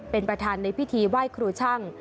เป็นประธานในพิธีไหว้ครูช่าง